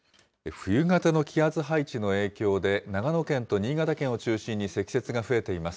冬型の気圧配置の影響で、長野県と新潟県を中心に積雪が増えています。